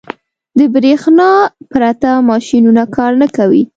• د برېښنا پرته ماشينونه کار نه کوي.